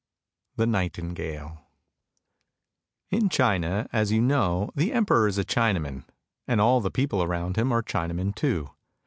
THE NIGHTINGALE IN China, as you know, the Emperor is a Chinaman, and all the people around him are Chinamen too.